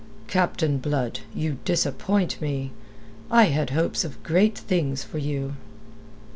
"Captain Blood, you disappoint me. I had hopes of great things for you."